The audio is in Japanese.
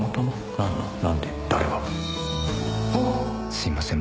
「すいません